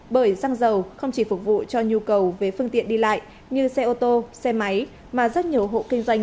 bởi xăng dầu không chỉ phục vụ cho nhu cầu về phương tiện đi lại như xe ô tô xe máy mà rất nhiều hộ kinh doanh